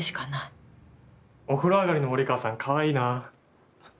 お風呂上がりの森川さんかわいいなあ。